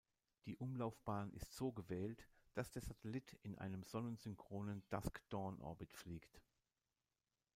Die Umlaufbahn ist so gewählt, dass der Satellit in einem sonnensynchronen Dusk-dawn-Orbit fliegt.